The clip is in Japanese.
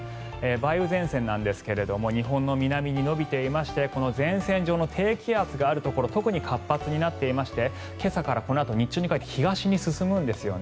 梅雨前線なんですが日本の南に延びていまして前線上の低気圧があるところ特に活発になっていて今朝から日中にかけて東に進むんですよね。